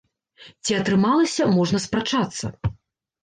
Ці атрымалася, можна спрачацца.